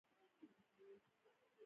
زه هره ورځ د پاک کالي لټوم.